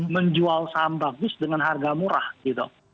menjual saham bagus dengan harga murah gitu